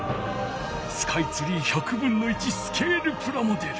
スカイツリー１００分の１スケールプラモデル。